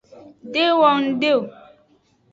De wo ngde o.